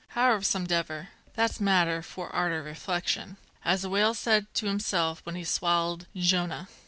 Howsomedever, that's matter for arter reflection, as the whale said to himself when he swallied Jonah.